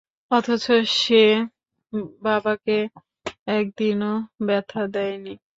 অথচ সে বাবাকে এক দিনও ব্যথা দেয় নি।